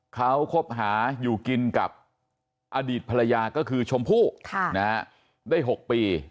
เขาคบหาอยู่กินกับอดีตภรรยาก็คือชมพู่ได้๖ปี